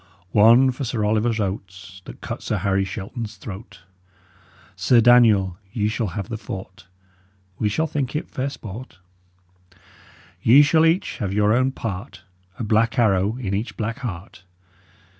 One for Sir Oliver Oates, That cut Sir Harry Shelton's throat. Sir Daniel, ye shull have the fourt; We shall think it fair sport. Ye shull each have your own part, A blak arrow in each blak heart.